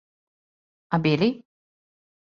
А би ли?